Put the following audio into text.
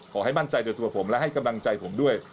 ขอให้มั่นใจโดยตัวผมและให้กำลังใจผมด้วย